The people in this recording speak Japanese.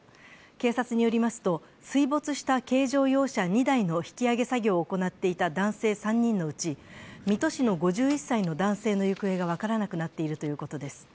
警察によりますと、水没した軽乗用車２台の引き上げ作業を行っていた男性３人のうち、水戸市の５１歳の男性の行方が分からなくなっているということです。